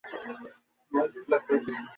সেখান থেকে তাকিয়ে রইল আফসার সাহেবের দিকে।